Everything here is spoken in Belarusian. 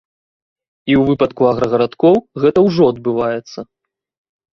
І ў выпадку аграгарадкоў гэта ўжо адбываецца.